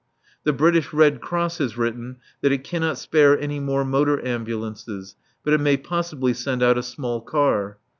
The British Red Cross has written that it cannot spare any more motor ambulances, but it may possibly send out a small car.